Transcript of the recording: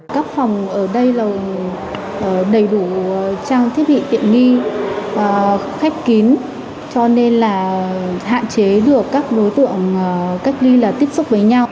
các phòng ở đây là đầy đủ trang thiết bị tiện nghi khép kín cho nên là hạn chế được các đối tượng cách ly là tiếp xúc với nhau